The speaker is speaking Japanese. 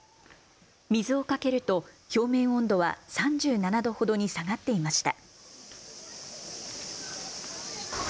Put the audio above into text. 水をかけると表面温度は３７度ほどに下がっていました。